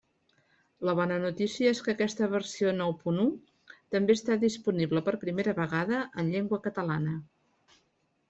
La bona notícia és que aquesta versió nou punt u també està disponible, per primera vegada, en llengua catalana.